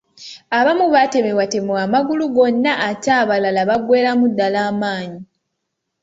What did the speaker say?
Abamu batemebwatemebwa amagulu gonna ate abalala baggweeramu ddala amaanyi.